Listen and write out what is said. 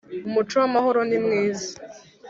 Umuco w’amahoro ni mwiza